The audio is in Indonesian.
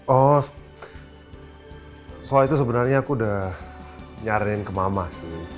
oh soal itu sebenarnya aku udah nyariin ke mama sih